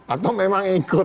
atau memang ikut